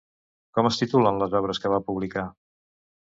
Com es titulen les obres que va publicar?